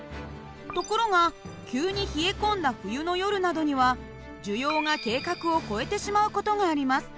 ところが急に冷え込んだ冬の夜などには需要が計画を超えてしまう事があります。